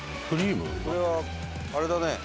これはあれだね。